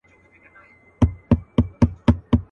پر خپل کور به د مرګي لاري سپرې کړي.